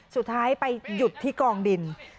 สุดท้ายไปหยุดที่กองดิน